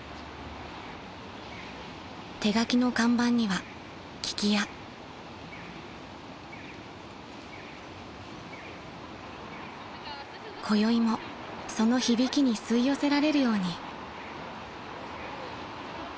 ［手書きの看板には「聞き屋」］［こよいもその響きに吸い寄せられるように］